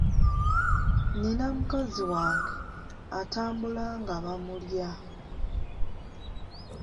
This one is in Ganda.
Nina mukazi wange; atambula nga bamulya.